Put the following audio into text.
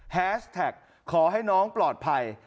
แฮชแท็กขอให้น้องปลอดภัย